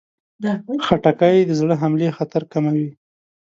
خټکی د زړه حملې خطر کموي.